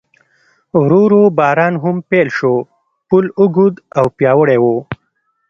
ورو ورو باران هم پیل شو، پل اوږد او پیاوړی و.